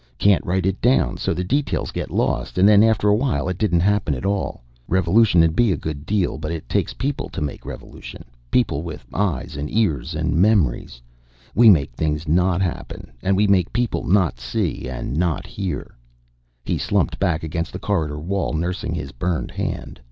Can't write it down so the details get lost and then after a while it didn't happen at all. Revolution'd be good deal. But it takes people t' make revolution. People. With eyes 'n ears. 'N memories. We make things not happen an' we make people not see an' not hear...." He slumped back against the corridor wall, nursing his burned hand.